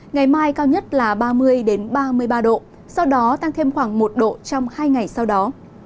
ngày mai cao nhất là ba mươi ba mươi ba độ sau đó tăng thêm khoảng một độ trong hai ngày sau đó